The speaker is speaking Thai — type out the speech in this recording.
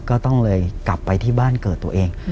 ก็เลยกลับไปที่บ้านเกิดตัวเอง